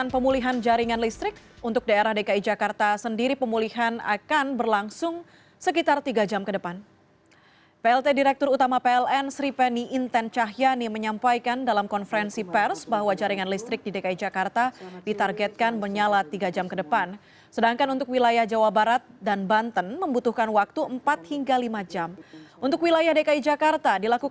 pemulihan jaringan listrik